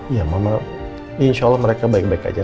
ya mama insya allah mereka baik baik aja